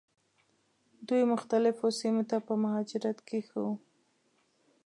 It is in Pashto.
دوی مختلفو سیمو ته په مهاجرت کې ښه وو.